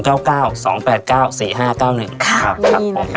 ครับมีนะครับ